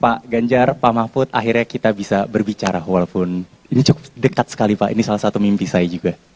pak ganjar pak mahfud akhirnya kita bisa berbicara walaupun ini cukup dekat sekali pak ini salah satu mimpi saya juga